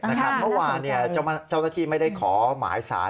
เมื่อวานเจ้าหน้าที่ไม่ได้ขอหมายสาร